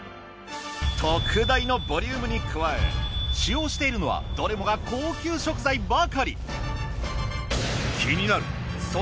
特大のボリュームに加え使用しているのはどれもが高級食材ばかり。